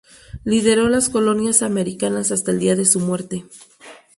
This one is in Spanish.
Lideró las colonias americanas hasta el día de su muerte.